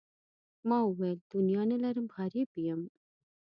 ما وویل دنیا نه لرم غریب یم.